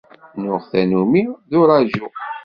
Nuɣ tannumi d uṛaǧu.